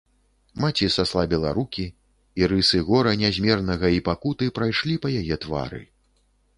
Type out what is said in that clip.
Маці слабіла рукі, і рысы гора нязмернага і пакуты прайшлі па яе твары.